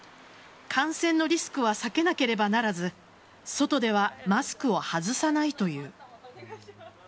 感染のリスクは避けなければならず外ではマスクを外さないという。